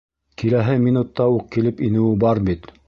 Киләһе минутта уҡ килеп инеүе бар бит!